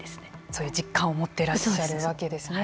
そういう実感を持っていらっしゃるわけですね。